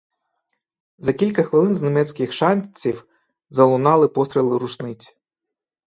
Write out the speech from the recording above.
За кілька хвилин з німецьких шанців залунали постріли рушниць.